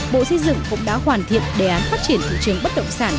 bộ xây dựng cũng đã hoàn thiện đề án phát triển thị trường bất động sản